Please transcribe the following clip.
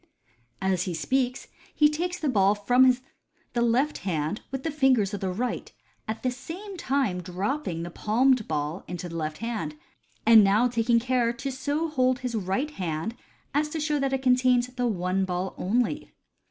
As he speaks, he takes the ball from the left hand with the fingers of the right, at the same time dropping the palmed ball into the left hand, and now taking care to so hold his right hand as to show that it contains the one ball only.